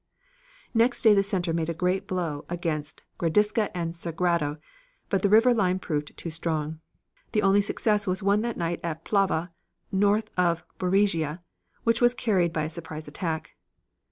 Next day the center made a great blow against Gradisca and Sagrado, but the river line proved too strong. The only success was won that night at Plava, north of Borrigia, which was carried by a surprise attack.